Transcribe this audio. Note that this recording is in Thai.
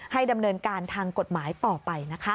ดำเนินการทางกฎหมายต่อไปนะคะ